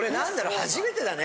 初めてだね。